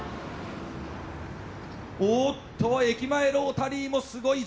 おっと駅前ロータリーもすごいぞ。